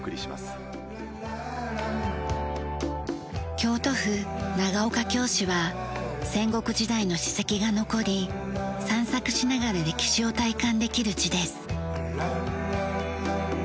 京都府長岡京市は戦国時代の史跡が残り散策しながら歴史を体感できる地です。